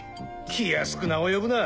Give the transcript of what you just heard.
気安く名を呼ぶな！